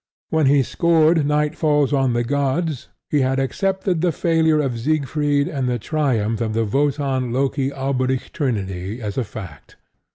When he scored Night Falls On The Gods, he had accepted the failure of Siegfried and the triumph of the Wotan Loki Alberic trinity as a fact.